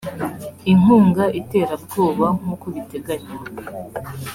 inkunga iterabwoba nk uko biteganywa